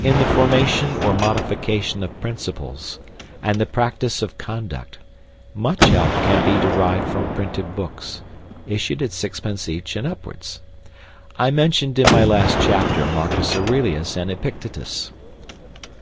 In the formation or modification of principles, and the practice of conduct, much help can be derived from printed books (issued at sixpence each and upwards). I mentioned in my last chapter Marcus Aurelius and Epictetus.